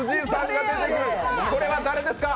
これは誰ですか？